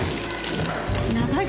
長い。